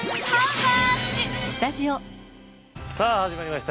さあ始まりました。